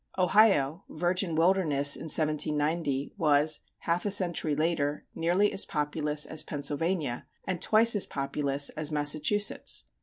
Ohio (virgin wilderness in 1790) was, half a century later, nearly as populous as Pennsylvania and twice as populous as Massachusetts.